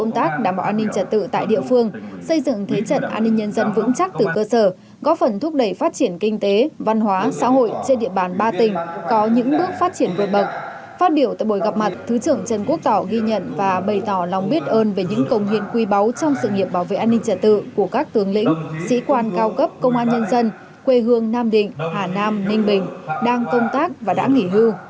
thư trưởng trần quốc tảo ghi nhận và bày tỏ lòng biết ơn về những công hiện quy báu trong sự nghiệp bảo vệ an ninh trả tự của các tướng lĩnh sĩ quan cao cấp công an nhân dân quê hương nam định hà nam ninh bình đang công tác và đã nghỉ hưu